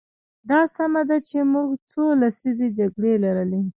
دا سمه ده چې موږ څو لسیزې جګړې لرلې.